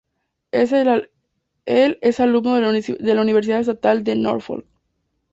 Él es alumno de la Universidad Estatal de Norfolk.